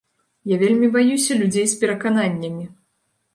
Я вельмі баюся людзей з перакананнямі.